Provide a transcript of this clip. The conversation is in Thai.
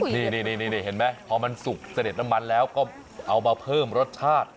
นี่เห็นไหมพอมันสุกเสด็จน้ำมันแล้วก็เอามาเพิ่มรสชาติ